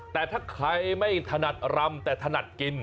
แต่ถ้าใครไม่ถนัดรำแต่ถนัดกิน